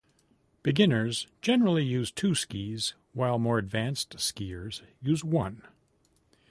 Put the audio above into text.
Beginners generally use two skis while more advanced skiers use one.